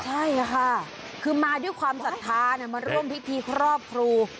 ใช่ค่ะคือมาด้วยความศรัทธามาร่วมพิธีครอบครู